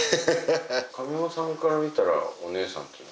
亀山さんから見たらお姉さんっていうのは？